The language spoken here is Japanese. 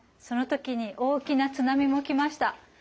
その時に大きな津波も来ました。